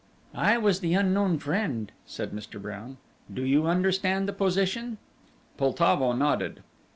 "I was the unknown friend," said "Mr. Brown"; "do you understand the position?" Poltavo nodded.